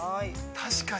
◆確かに。